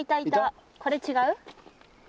これ違う？